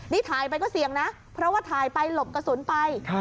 นี่ถ่ายไปก็เสี่ยงนะเพราะว่าถ่ายไปหลบกระสุนไป